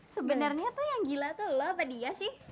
sebenarnya tuh yang gila tuh lo apa dia sih